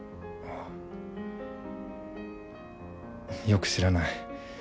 よく知らない。